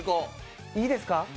いいですか？